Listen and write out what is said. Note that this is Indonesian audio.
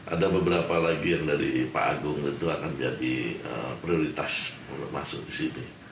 ada beberapa lagi yang dari pak agung itu akan jadi prioritas untuk masuk di sini